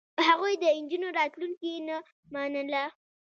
هغوی د نجونو راتلونکې نه منله.